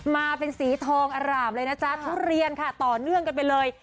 มาเป็นสีทองอร่ามเลยนะจ๊ะทุเรียนค่ะต่อเนื่องกันไปเลย